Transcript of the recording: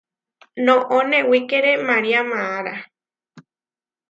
Noʼó newíkere María maará.